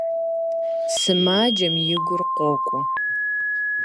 Сымаджэм и гур къокӀуэ.